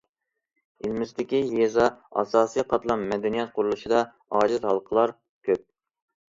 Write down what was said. ئېلىمىزدىكى يېزا ئاساسىي قاتلام مەدەنىيەت قۇرۇلۇشىدا ئاجىز ھالقىلار كۆپ.